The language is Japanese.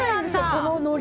こののり。